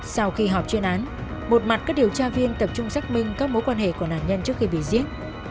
sau khi họp chuyên án một mặt các điều tra viên tập trung xác minh các mối quan hệ của nạn nhân trước khi bị giết